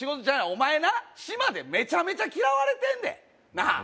お前な島でめちゃめちゃ嫌われてんでなあ